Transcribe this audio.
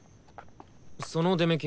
その出目金。